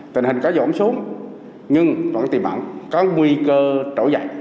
tình hình có dỗn xuống nhưng vẫn tìm ẩn có nguy cơ trổ dậy